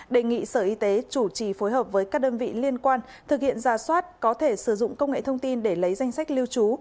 đề nghị sở y tế chủ trì phối hợp với các đơn vị liên quan thực hiện giả soát có thể sử dụng công nghệ thông tin để lấy danh sách lưu trú